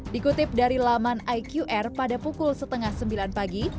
dikutip dari laman iqr pada pukul setengah sembilan pagi